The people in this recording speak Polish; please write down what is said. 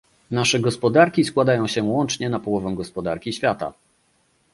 Nasze gospodarki składają się łącznie na połowę gospodarki świata